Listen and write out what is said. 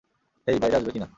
হেই, বাইরে আসবে নাকি না?